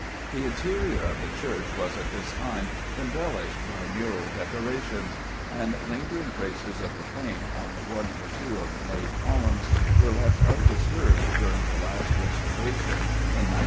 The interior of the church was at this time embellished by mural decorations; and lingering traces of the paint, on one or two of the nave columns, were left undisturbed during the last restoration, in 1904.